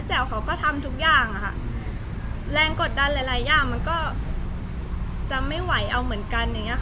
ไม่คิดจริงก็อัใครอย่างเงี้ยหรือคะ